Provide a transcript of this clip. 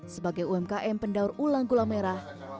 sebagai umkm pendaur ulang gula merah